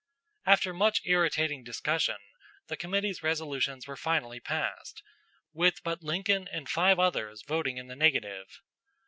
After much irritating discussion, the committee's resolutions were finally passed, with but Lincoln and five others voting in the negative.